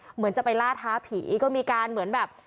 เหมือนจะไปล่าท้าผีก็มีการเหมือนแบบ